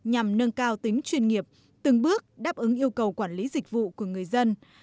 nhằm nâng cao tính chuyên nghiệp từng bước đáp ứng yêu cầu quản lý dịch vụ của người dân